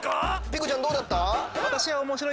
ピコちゃんどうだった？